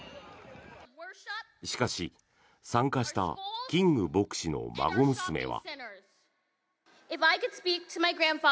しかし参加したキング牧師の孫娘は。